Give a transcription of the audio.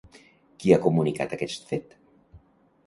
Qui ha comunicat aquest fet?